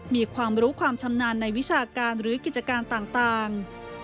มีความรู้ความชำนาญในวิชาการหรือกิจการต่าง